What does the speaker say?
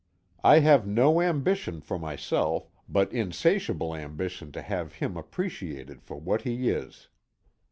I have no ambition for myself, but insatiable ambition to have him appreciated for what he is.